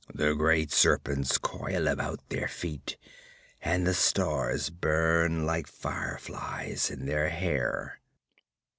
The great serpents coil about their feet and the stars burn like fire flies in their hair.'